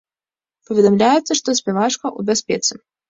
Паведамляецца, што спявачка ў бяспецы.